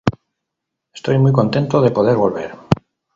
Estoy muy contento de poder volver.